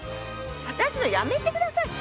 私のやめて下さい。